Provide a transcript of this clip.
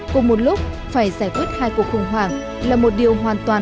cùng một lúc phải giải quyết hai cuộc khủng hoảng là một điều hoàn toàn